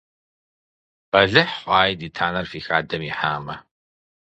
Бэлыхь хъуаи ди танэр фи хадэм ихьамэ!